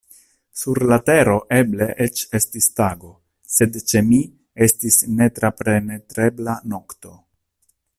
Sur la tero eble eĉ estis tago, sed ĉe mi estis netrapenetrebla nokto.